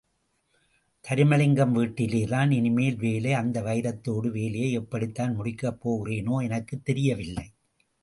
தருமலிங்கம் வீட்டிலேதான் இனிமேல் வேலை, அந்த வைரத்தோடு வேலையை எப்படித்தான் முடிக்கப் போகிறேனோ, எனக்கே தெரியவில்லை!